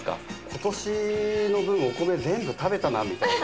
今年の分お米全部食べたなみたいな。